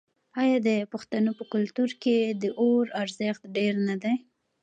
آیا د پښتنو په کلتور کې د اور ارزښت ډیر نه دی؟